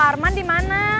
pak arman di mana